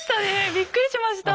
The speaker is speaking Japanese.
びっくりしました。